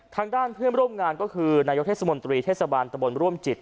ทางด้านเพื่อนร่วมงานก็คือนายกเทศมนตรีเทศบาลตะบนร่วมจิต